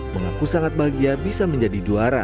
mengaku sangat bahagia bisa menjadi juara